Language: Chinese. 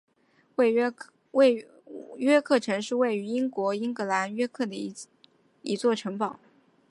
约克城是位于英国英格兰约克的一座城堡。